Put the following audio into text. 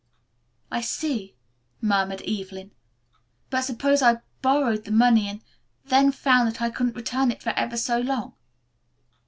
"I see," murmured Evelyn. "But suppose I borrowed the money and then found that I couldn't return it for ever so long?"